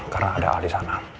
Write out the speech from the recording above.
karena ada al di sana